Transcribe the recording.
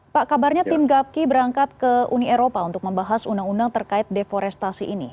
pak kabarnya tim gapki berangkat ke uni eropa untuk membahas undang undang terkait deforestasi ini